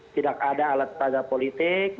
tidak ada alat taga politik